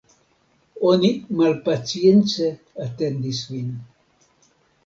Oni malpacience atendis vin.